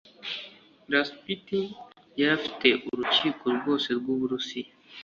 rasputin yari afite urukiko rwose rw'uburusiya